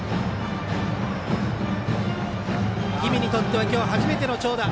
氷見にとっては今日初めての長打。